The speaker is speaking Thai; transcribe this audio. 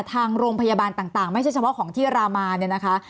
ทางโรงพยาบาลต่างไม่ใช่เฉพาะของที่รามานเนี่ยนะคะ